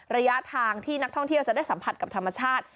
ระยะทางที่นักท่องเที่ยวจะได้สัมผัสกับธรรมชาติ